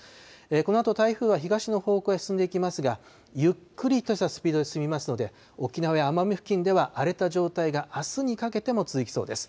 このあと台風は東の方向へ進んでいきますが、ゆっくりとしたスピードで進みますので、沖縄や奄美付近では荒れた状態があすにかけても続きそうです。